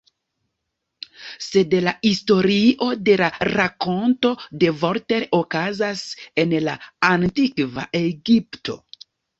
Sed la historio de la rakonto de Voltaire okazas en la Antikva Egipto.